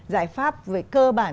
giải pháp về cơ bản